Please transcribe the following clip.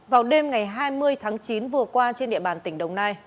vào đêm ngày hai mươi tháng chín vừa qua trên địa bàn tỉnh hà tĩnh